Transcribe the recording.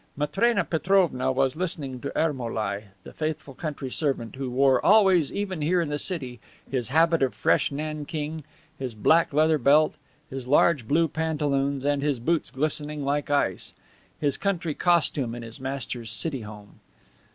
Matrena Petrovna was listening to Ermolai, the faithful country servant who wore always, even here in the city, his habit of fresh nankeen, his black leather belt, his large blue pantaloons and his boots glistening like ice, his country costume in his master's city home.